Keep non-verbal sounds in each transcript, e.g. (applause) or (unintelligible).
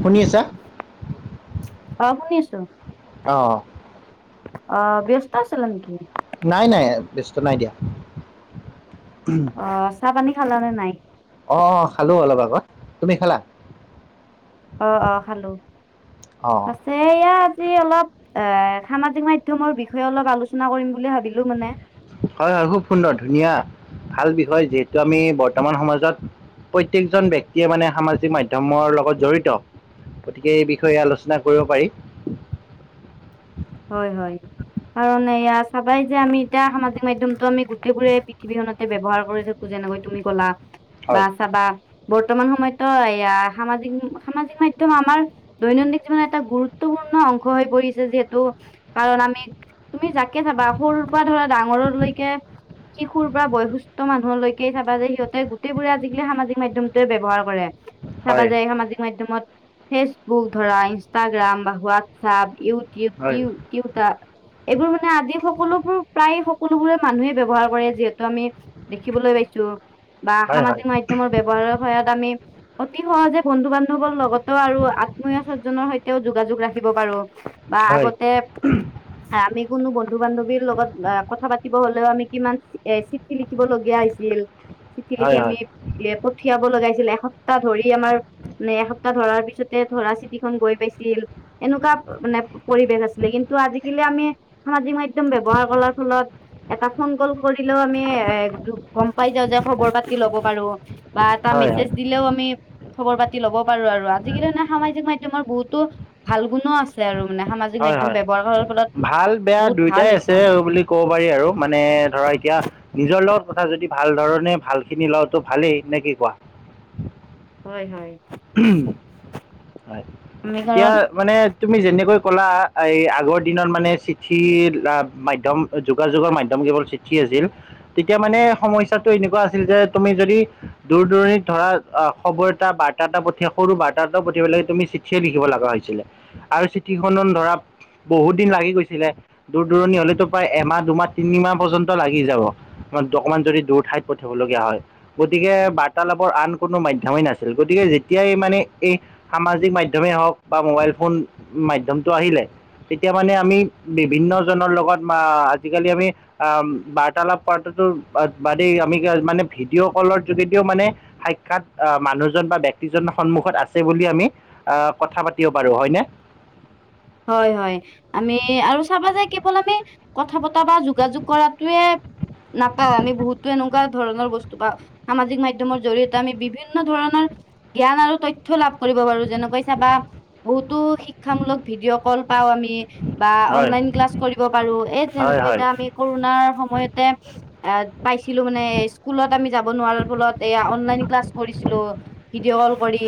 শুনি আছা- অ শুনি আছো- অ অ ব্যস্ত আছিলা নেকি? নাই নাই ব্যস্ত নাই দিয়া। অ চাহ পানী খালানে নাই। আহ খালো অলপ আগত তুমি খালা অ অ খালো অঁ পিছে ইয়াত- অলপ এ সামাজিক মাধ্যমৰ বিষয়ে অলপ আলোচনা কৰিম বুলি ভাবিলো মানে হয় হয় খুব সুন্দৰ ধুনীয়া ভাল বিষয় যিহেতু আমি বৰ্তমান সমাজত- প্ৰত্যেকজন ব্যক্তিয়ে মানে সামাজিক মাধ্যমৰ লগত জড়িত- গতিকে এই বিষয়ে আলোচনা কৰিব পাৰি। হয় হয়। কাৰণ এয়া চবেই যে আমি এতিয়া সামাজিক মাধ্যমতটো আমি গোটেইবোৰে পৃথিৱীখনতে ব্যৱহাৰ কৰি থাকো যে যেনেকৈ তুমি কলা বা হয় চাবা বৰ্তমান সময়ততো এয়া সামাজিক সামাজিক মাধ্যম আমাৰ দৈনন্দিন জীৱনত এটা গুৰুত্বপূৰ্ণ অংশ হৈ পৰিছে যিহেতু। কাৰণ আমি, তুমি যাকে ভাবা সৰুৰ পৰা ধৰা ডাঙৰলৈকে শিশুৰ পৰা বয়সস্থ মানুহলৈকে চাবা যে সিহঁতে গোটেই বোৰে আজিকালি সামাজিক মাধ্যমতোৱে ব্যয়ৱহাৰ কৰে চাবা হয় যে সামাজিক মাধ্যমত ফেচবুক ধৰা ইনষ্টাগ্ৰাম বা হোৱাটছআপ ইউটিউব হয় কিউ কিউতা এইবোৰ মানে আদি সকলোবোৰ প্ৰায় সকলোবোৰ মানুহে ব্যৱহাৰ কৰে যিহেতু আমি দেখিবলৈ পাইছো বা হয় হয় সামাজিক মাধ্যমৰ ব্যৱহাৰৰ সহায়ত আমি অতি সহজে বন্ধু বান্ধৱৰ লগতো আৰু আত্মীয় চজজনৰ সৈতেও যোগাযোগ ৰাখিব পাৰো বা হয় আগতে আমি কোনো বন্ধু বান্ধৱীৰ লগত কথা পাতিব হলেও আমি কিমান এ চিপ চিঠি লিখিব লগীয়া হৈছিল চিঠি লিখি হয় হয় আমি এ পঠিয়াব লগা হৈছিল লে এসপ্তাহ ধৰি আমাৰ নে এসপ্তাহ ধৰাৰ পিছতে ধৰা চিঠিখন গৈ পাইছিল এনেকুৱা মানে পৰিবেশ আছিল ছিল কিন্তু আজিকালি আমি সামাজিক মাধ্যম ব্যৱহাৰ কৰাৰ ফলত এটা ফোন কল কৰিলেও আমি এ গম পাই যাও যে খবৰ পাতি লব পাৰো বা এটা হয় হয় মেছেজ দিলেও আমি খবৰ পাতি লব পাৰো আৰু আজিকালি সামাজিক মাধ্যম বহুতো ভাল গুণো আছে আৰু মানে সামাজিক হয় মাধ্যম হয় ব্যৱহাৰ ফলত ভাল বেয়া বহুত ভাল দুইটাই হৈছে। আছে বুলি কব পাৰি আৰু মানে, ধৰা এতিয়া নিজৰ লগত কথা যদি ভা ভাল ধৰণে ভাল খিনি লোৱাটো ভালেই, নে কি কোৱা? হয়, হয়। হুম, হয় আমি এতিয়া কাৰণ মানে তুমি যেনেকৈ কলা এই আগৰ দিনত মানে চিঠি, মাধ্যম যোগাযোগৰ মাধ্যম। (unintelligible) চিঠঠি আছিল তেতিয়া মানে সমস্যাটো এনেকোৱা আছিল যে তুমি যদি দূৰ দূৰনিত থ (unintelligible) অ', খবৰ এটা বাৰ্তা এটা পঠিয়া সৰু বাৰ্তা এটা পঠি য়াই পেলাই তুমি চিঠিয়ে লিখিব লাগা হৈছিলে আৰু চিঠিখনত ধৰা বহুত দিন লাগি গৈছিলে দূৰ দূৰণি হলেতো প্ৰায় এমাহ, দুমাহ, তিনিমাহ পৰ্যন্ত লাগি যাব। অকমান যদি দূৰ ঠাইত পঠিয়াব লগিয়া হয়, গতিকে বাৰ্তালাপৰ আন কোনো মাধ্যমেই নাছিল গতিকে তেতিয়াই মানে এ সামাজিক মাধ্যমেই হওক বা মোবাইল ফোন মাধ্যমটো আহিলে, তেতিয়া মানে আমি বিভিন অন্যজনৰ লগত বা আজিকালি আমি আ বাৰ্তালাপ কৰাটোতো বাদেই আমি মানে ভিডিঅ' কলৰ যোগেদিও মানে, সাক্ষাৎ আ মানুহজন বা ব্যক্তিজনৰ সন্মুখত আছে বুলি (unintelligible) আমি আ কথা পাতিব পাৰো, হয়নে? হয়, হয় আমি আৰু চাবা যে কেৱল আমি কথা পতা বা যোগাযোগ কৰাটোৱে, নাপাওঁ আমি বহুতো এনেকুৱা ধৰণৰ বস্তু বা সামাজিক মাধ্যমৰ জৰিয়তে আমি বিভিন্ন ধৰণৰ, জ্ঞান আৰু তথ্য লাভ কৰি কৰিব পাৰো যেনেকৈ চাবা, বহুতো শিক্ষামুলক ভিডিঅ' কল পাও আমি। বা হয় অনলাইন ক্লাছ কৰিব পাৰো এ হয় তেনেকৈ হয় এতিয়া আমি কৰোণাৰ সম সময়তে, পাইছিলো মানে স্কুলত আমি যাব নোৱাৰাৰ ফলত এয়া অনলাইন ক্লাছ কৰিছিলো। তক ভিডিঅ কল কৰি,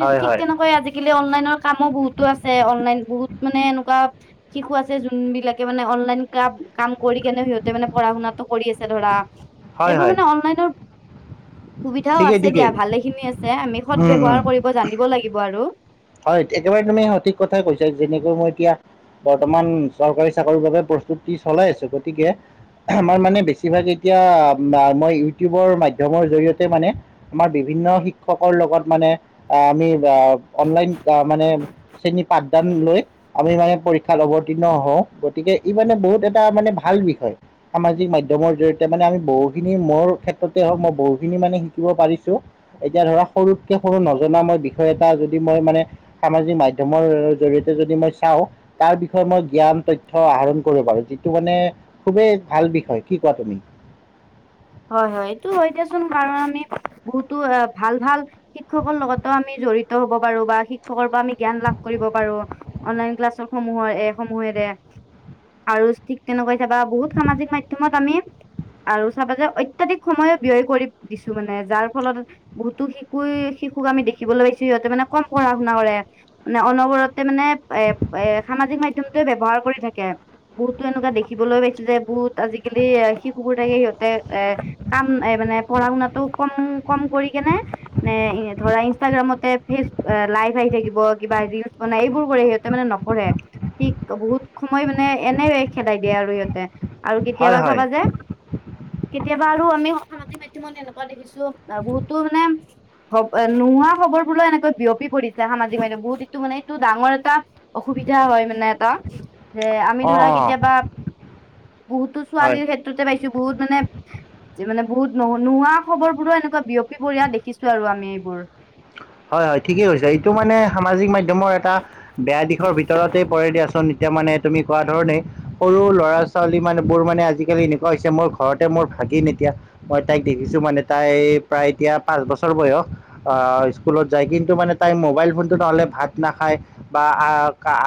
হয় ঠিক হয় তেনেকৈ আজি কালি অনলাইনৰ কামো বহুতো আছে। অনলাইন বহুত মানে এনেকুৱা শিশু আছে যোন বিলাকে মানে অনলাইন ক্লাব কাম কৰি কেনে সিহঁতে মানে পঢ়াশুনাটো কৰি আছে ধৰা, হয় এইবোৰ হয় মানে অনলাইনৰ সুবিধাও ঠিকেই আছে ঠিকেই দিয়া ভালে খিনি আছে আমি সদ উম, উম। ব্যৱহাৰ কৰিব জানিব লাগিব আৰু। হয় একেবাৰে তুমি সঠিক কথাই কৈছা যেনেকৈ মই এতিয়া বৰ্তমান চৰকাৰী চাকৰিৰ বাবে প্ৰস্তুতি চলাই আছো, গতিকে আমাৰ মানে বেছিভাগ এতিয়া মা মই ইউটিউবৰ মাধ্যমৰ জৰিয়তে মানে, আমাৰ বিভি ভিন্ন শিক্ষকৰ লগত মানে আ আমি আ অনলাইন বা মানে শ্ৰেণী পাঠদান লৈ আমি মানে পৰীক্ষাত অৱতীৰ্ণ হওঁ গতিকে ই মানে বহুত এটা মানে ভাল বিষয়, সামাজিক মাধ্যমৰ জৰিয়তে মানে আমি বহুখিনি মোৰ ক্ষেত্ৰত (unintelligible) বহুখিনি মানে শিকিব পাৰিছো, এতিয়া ধৰা সৰুতকে সৰু নজনা মই বিষয় এটা য যি মই মানে সামাজিক মাধ্যমৰ জৰিয়তে যদি মই চাওঁ তাৰ বিষয়ে মই জ্ঞান তথ্য আহৰণ কৰিব বাৰু যিটো মানে খুবেই ভাল বিষয় কি কোৱা তুমি? (unintelligible) হয় হয়, এইটো হয় দিয়াচোন কাৰণ আমি, বহুতো অ, ভাল ভাল শিক্ষকৰ লগতো আমি জড়িত হব পাৰো বা শিক্ষকৰ পা আমি জ্ঞান লাভ কৰিব পাৰো, অনলাইন ক্লাছ সমূহৰ এ সমূহেৰে তে, আৰু ঠিক তেনেকৈ চাবা বহুত সামাজিক মাধ্যমত আমি, আৰু চাবা যে অত্যাধিক। সময়ে ব্যয় কৰি দিছো মানে যাৰ ফলত বহুতো শিশুয়ে শিশুক আমি দেখিবলৈ (unintelligible) সিঁহতে মানে কম পঢ়াশুনা কৰে মানে অনবৰতে মানে এ এ সামাজিক মাধ্যমটোৱে ব্যৱহাৰ কৰি থাকে। বহুতো এনেকুৱা দেখিবলৈ পাইছো যে বহুত আজিকালি শিশুবোৰ থাকে সিহঁতে এ কাম এ মানে পঢ়াশুনাটো কম কম কৰি কেনে নে ধৰা ইনষ্টাগ্ৰাম মতে ফেচ লাইভ আহি থাকিব কিবা ৰিলচ বনাই এইবোৰ কৰে সিহঁতে মানে নপঢ়ে। ঠিক বহুত সময় মানে এনেই খেদাই দিয়ে আৰু সিহঁতে আৰু হয় কেতিয়াবা হয় চাবা যে কেতিয়াবা আৰু আমি সামাজিক মাধ্যমত এনেকুৱা দেখিছো বহুতো মানে (unintelligible) নোহোৱা খবৰ বোৰো এনেকৈ বিয়পি পৰিছে সামাজিক মাধ্যম বহুত এইটো মানে এইটো ডাঙৰ এটা অসুবিধা হয় মানে এটা, যে আমি অঁ ধৰা অঁ কেতিয়াবা বহুতো হয় ছোৱালীৰ ক্ষেত্ৰতে পাইছো বহুত মানে যে মানে বহুত নো -নোহোৱা খবৰ বোৰো এনেকুৱা বিয়পি পৰিয়া দেখিছো আৰু আমি এইবোৰ। হয় হয় ঠিকেই কৈছা। এইটো মানে সামাজিক মাধ্যমৰ এটা বেয়া দিশৰ ভিতৰতেই পৰে দিয়াচোন এতিয়া মান নে তুমি কোৱা ধৰণে, সৰু ল'ৰা- ছোৱালী মান বোৰ মানে আজিকালি এনেকুৱা হৈছে মোৰ ঘৰতে মোৰ ভাগিন নেতিয়া মই তাইক দেখিছো মানে তাই প্ৰায় এতিয়া পাঁচ বছৰ বয়স। অ স্কুলত যায়, কিন্তু মানে তাই মোবাইল ফোনটো নহ'লে ভাত নাখায় বা আ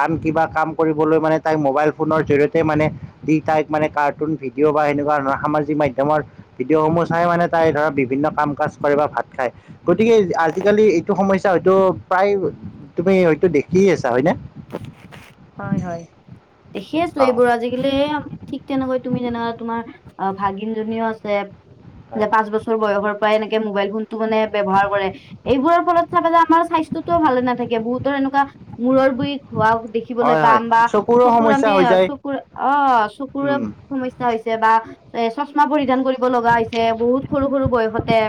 আন কিবা কাম কৰিবলৈ মানে তাইক মোবাইল ফোনৰ জৰিয়তে মানে দি তাইক মানে কাৰ্টুন ভিডিঅ' বা সেনেকুৱা ধ সামাজিক মাধ্যমৰ ভিডিঅ'সমূহ চাই মানে তাই ধৰক বিভিন্ন কাম কাজ কৰে বা ভাত খায়। গ তিকে, আজিকালি এইটো সমস্যা হয়তো প্ৰায় তুমি হয়তো দেখি আছ হয় হয়। দেখি আছো অ', এইবোৰ আজিকালি এইয়া ঠিক তেনেকৈ তুমি যেনেকা তোমাৰ আ ভাগিনজনীও আছে যে হয়, পাঁচ বছৰ বয়সৰ বা এনেকে মোবাইল ফোনতো মানে ব্যৱহাৰ কৰে, এইবোৰৰ ফলত চাবা যে আমাৰ স্বাস্থ্যটো ভালে নাথাকে বহুতৰে তেনুকা মূৰৰ বি খোৱাও দেখিবলৈ হয়, হয়, পাম বা চকুৰো চকুৰ সমস্যা আমি হৈ যায়। চকুৰ অ চকুৰে উম, সমস্যা হৈ ছে বা এ চচমা পৰিধান কৰিব লগা হৈছে বহুত সৰু সৰু বয়সতে।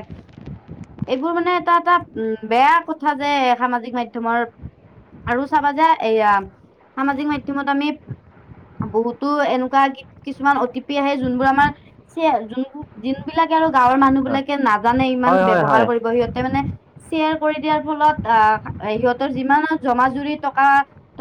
এইবোৰ মানে এটা এটা উম বেয়া কথা যে সামাজিক মাধ্যমৰ আৰু চাবা যে এয়া সামাজিক মাধ্যমত আমি বহুতো এনেকুৱা কিছুমান অটিপি আহে যোনবোৰ আমাৰ সেয়া যোনবো যোনবিলাকে আৰু গাঁৱৰ মানুহবিলাকে নাজানে ইমান হয়, হয়, হয়, ব্যৱহাৰ কৰিব সিহঁতে মানে শ্বেয়াৰ কৰি দিয়াৰ ফলত আ সিহঁতৰ যিমান জমা জুৰি টকা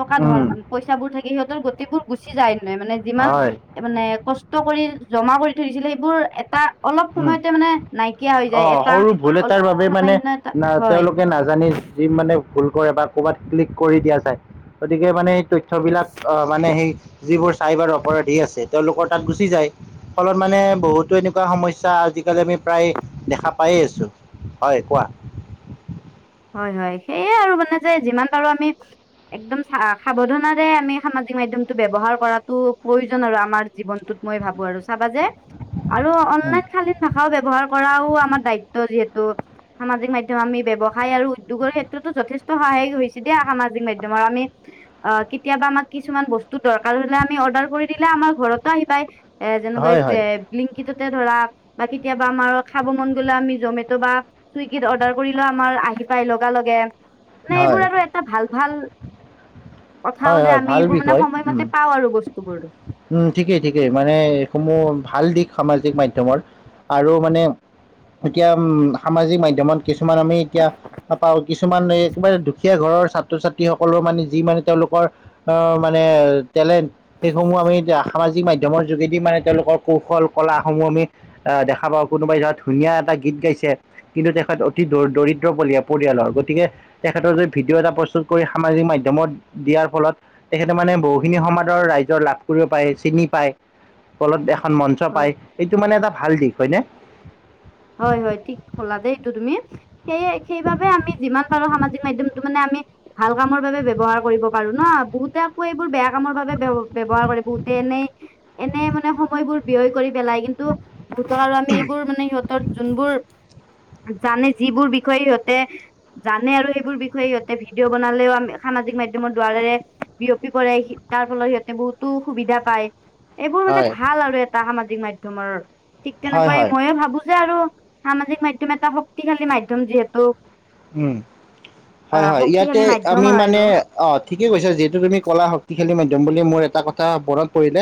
টকা ধন উম, পইচাবোৰ থাকে সিহঁতৰ গোটেইবোৰ গুচি যায়। মানে মানে যিমান হয়, মানে কষ্ট কৰি জমা কৰি থৈছিলে সেইবোৰ এটা অলপ উম, সময়তে মানে নাইকিয়া হৈ যায় অ', এটা সৰু ভুল অল এটাৰ বাবে মানে সামান্য এটা না হয়। তেওঁলোকে নাজানি যি মানে ভুল কৰে বা কৰবাত ক্লিক কৰি দিয়া যায়, গতিকে মানে এই তথ্যবিলাক অ মানে সেই যিবোৰ চাইবাৰ অপৰাধী আছে তেওঁলোকৰ তাত গুচি যায়। ফলত মানে বহুতো এনেকুৱা সমইচ ছা আজিকালি আমি প্ৰায় দেখা পায়েই আছোঁ, হয় কোৱা? হয় হয়। সেয়ে আৰু মানে যে যিমান পাৰো আমি একদম চা সা সাৱধানাৰে আমি সামাজিক মাধ্যমটো ব্যৱহাৰ কৰাতো প্ৰয়োজন আৰু আমাৰ জীৱনটোত। মই ভাবো আৰু চাবা যে আৰু অনলাইন শালীন ভাষাও ব্যৱহাৰ কৰাও আমাৰ দায়িত্ব যিহে ত' সামাজিক মাধ্যম আমি ব্যব সহায় আৰু উদ্যোগৰ ক্ষেত্ৰতো যথেষ্ট সহায় হৈছে দেই সামাজিক মাধ্যম আমি আ কেতিয়াবা আমাক কিছুমান বস্তু দৰকাৰ হলে আমি অৰ্ডাৰ কৰি দিলে আমাৰ ঘৰতো আহি পায় এ যেনেকে এই হয়, প হয়, লিংকিত যে ধৰা বা কেতিয়াবা আমাৰ খাব মন গলে আমি জমেট' বা চুইগীত অৰ্ডাৰ কৰিলে আমাৰ আহ ৰাপাই লগা লগে, মানে হয়, এইবোৰত এটা ভাল ভাল কথাও হয় যে হয় আমি ভাল এইবোৰ মানে বিষয়। উম সময়মতে পাওঁ আৰু বস্তুবোৰ উম ঠিকেই ঠিকেই মানে এইসমূহ ভাল দিশ সামাজিক মাধ্যমত আৰু মানে এতিয়া উম সামাজিক মাধ্যমত কিছুমান আমি এতিয়া পা কিছুমান একেবাৰে দুখীয়া ঘৰত ছাত্ৰ- ছাত্ৰীসকলৰ মানে যি মানে তেওঁলোক বৰ অ মানে টেলেণ্ট সেইসমূহ আমি এতিয়া সামাজিক মাধ্যমৰ যোগেদি মানে তেওঁলোক ক কৌশল কলাসমূহ আমি আ দেখা পাওঁ, কোনোবাই ধৰ ধুনীয়া এটা গীত গাইছে কিন্তু তেখেত অতি দ দৰিদ্ৰ পৰিয়ালৰ গতিকে তেখেতৰ যদি ভিডিঅ' এটা প্ৰস্তুত কৰি সামাজিক মাধ্যমত দিয়াৰ ফলত তেখেতে মানে বহুখিনি সমাজৰ ৰাইজৰ লাভ কৰিব পাৰে চিনি পায় বলত এখন মঞ্চ হয় পায়, সেইটো মানে এটা ভাল দিশ হয় নে? হয় হয় ঠিক হ'লা দেই এইটো তুমি, সেইয়ে সেইবাবে আমি যিমান পাৰো সামাজিক মাধ্যমটো মানে আমি ভাল কামৰ বাবে ব্যৱহাৰ কৰিব পাৰো ন। বহুতে আকৌ এইবোৰ বেয়া কামৰ বাবে বে ব্যৱহাৰ কৰিব বহুতে এনে এনে মানে সময়বোৰ ব্যয় কৰি পেলাই কিন্তু, ধৰ আৰু আমি এইবোৰ মানে সিহঁতৰ যোনবোৰ জানে যিবোৰ বিষয়ে সিহঁতে জানে আৰু সেইবোৰ বিষয়ে ইহঁতে ভিডিঅ' বনালেও আমি হা সামাজিক মাধ্যমৰ দ্বাৰৰে বিয়পি কৰে তাৰ ফলত সিহঁতে বহুতো সুবিধা পায় এইবোৰ মানে হয়, ভাল আৰু এটা সামাজিক মাধ্যমৰ ঠিক হয় তেনেকুৱা হয়। ময়ে ভাবো যে আৰু সামাজিক মাধ্যম এটা শক্তিশালী মাধ্যম যিহেতু উম হয় আহ হয় ইয়াতে শক্তিশালী মাধ্যম আমি হয় মানে আৰু অ ঠিকে কৈছো যিহেতু তুমি কলা শক্তি খেল মাধ্যম বুলি মোৰ এটা কথা মনত পৰিলে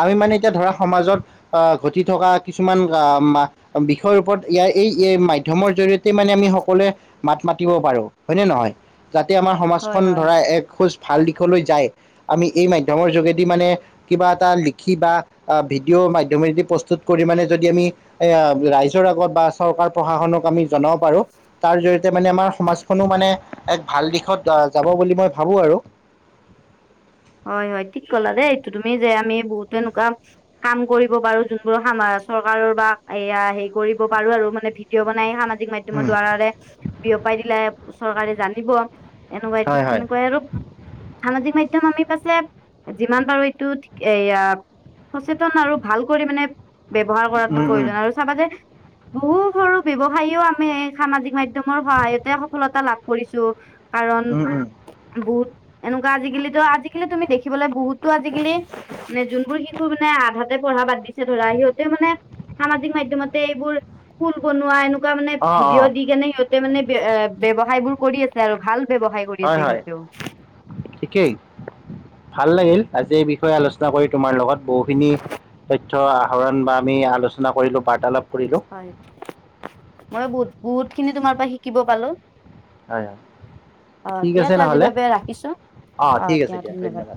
আমি মানে এতিয়া ধৰা সমাজত ঘটি থকা কিছুমান আহ বিষয়ৰ ওপৰত ইয়াৰ এই মাধ্যমৰ জৰিয়তে মানে আমি সকলোৱে মাত মাতিব পাৰো হয়নে নহয় যাতে আমাৰ হয় সমাজখন হয়। ধৰা এক সুস্থ ভাল দিশলৈ য আমি এই মাধ্যমৰ যোগেদি মানে কিবা এটা লিখি ভিডিঅ' মাধ্যমেদি প্ৰস্তুত কৰি আমি যদি এ ৰাইজৰ আগত বা চৰকাৰ প্ৰশাসনক আমি জনাব পাৰোঁ পাৰোঁ তাৰ জৰিয়তে মানে আমাৰ সমাজখনো মানে এক ভাল দিশত যাব বুলি মই ভাবো আৰু (inaudible) হয় হয় ঠিক কলা দেই এইটো তুমি যে আমি বহুতো এনেকুৱা কাম কৰিব পাৰো যোনবোৰ চৰকাৰৰ বা এয়া হেৰি কৰিব পাৰো আৰু মানে ভিডিঅ' বনাই খান মাধ্যমৰ উম, দ্বাৰাৰে বিয়পাই দিলে চৰকাৰে জানিব এনেকুৱাই ঠিক হয় হয়। তেনেকুৱাই আৰু সামাজিক মাধ্যম আমি ছে যিমান পাৰো এইটো এয়া সচেতন আৰু ভাল কৰি মানে ব্যৱহাৰ কৰাতো উম, উম, প্ৰয়োজন আৰু চাবা যে বহু সৰু ব্যৱসায়ীও আমি সামাজিক মাধ্যম মৰ সহায়তে সফলতা লাভ কৰিছো কাৰণ উম, উম, বহুত এনেকুৱা আজিকালিতো আজি তুমি দেখিবালাগ বহুতো আজিকালি মানে যোনবোৰ শিশু মানে আধাতে পঢ়া বাদ দিছে ধৰা সিহঁতেও মানে সামাজিক মাধ্যম এইবোৰ ফুল বনোৱা এনেকা তেনেকুৱা মানে অ', অ', ভিডিঅ' দি কেনে সিহঁতে মানে্ ব্যৱসায় বোৰ কৰি আছে আৰু ভাল ব্যৱসায় কৰি হয় আছে হয়, সিহঁতেও ঠিকেই। ভাল লাগিল আজি এই বিষয়ে আলোচনা কৰি তোমাৰ লগত বহুখিনি তথ্য আহৰণ বা আমি আলোচনা কৰিলো বাৰ্তালাপ কৰিলোঁ। হয় মই বহুত বহুত খিনি তোমাৰ পৰা শিকিব পালো হয় অ ঠিক দিয়া আছে তে আজিৰ নহ'লে, বাবে ৰাখিছো অ দিয়া ধন্যবাদ। (inaudible)